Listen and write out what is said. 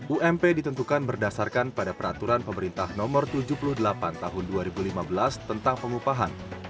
ump ditentukan berdasarkan pada peraturan pemerintah nomor tujuh puluh delapan tahun dua ribu lima belas tentang pengupahan